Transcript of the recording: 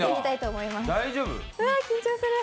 うわ、緊張する。